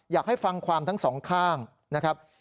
อยากให้ฟังความทั้งสองข้างนะครับ